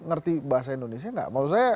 ngerti bahasa indonesia tidak